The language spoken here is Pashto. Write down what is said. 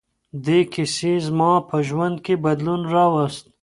دې کیسې زما په ژوند کې بدلون راوست.